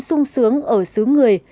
sung sướng ở xứ người